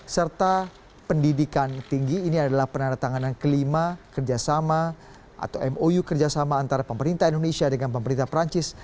serta pendidikan tinggi ini adalah penandatanganan kelima kerjasama atau mou kerjasama antara pemerintah indonesia dengan pemerintah perancis